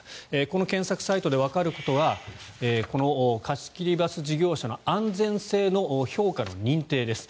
この検索サイトでわかることはこの貸し切りバス事業者の安全性の評価の認定です。